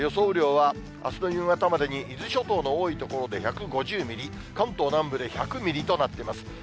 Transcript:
雨量は、あすの夕方までに伊豆諸島の多い所で１５０ミリ、関東南部で１００ミリとなっています。